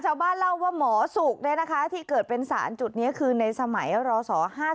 ชาวบ้านเล่าว่าหมอสุกที่เกิดเป็นสารจุดนี้คือในสมัยรศ๕๔